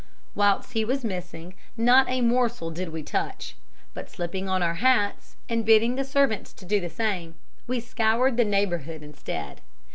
Whilst he was missing, not a morsel did we touch, but slipping on our hats, and bidding the servants do the same, we scoured the neighbourhood instead.